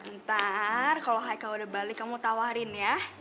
ntar kalau haika udah balik kamu tawarin ya